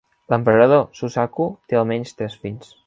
L'emperador Suzaku té almenys tres fills.